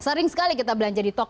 sering sekali kita belanja di toko